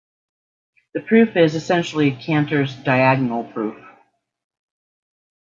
The proof is essentially Cantor's 'diagonal' proof.